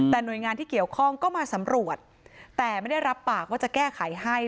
แต่หน่วยงานที่เกี่ยวข้องก็มาสำรวจแต่ไม่ได้รับปากว่าจะแก้ไขให้